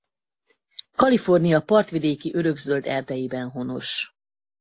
Kalifornia partvidéki örökzöld erdeiben honos.